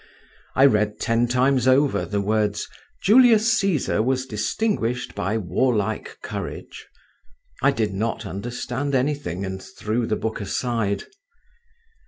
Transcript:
I read ten times over the words: "Julius Caesar was distinguished by warlike courage." I did not understand anything and threw the book aside.